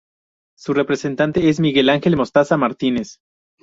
Su representante es Miguel Ángel Mostaza Martínez.